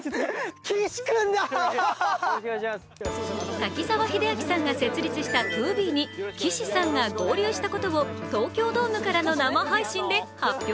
滝沢秀明さんが設立したＴＯＢＥに岸さんが合流したことを東京ドームからの生配信で発表。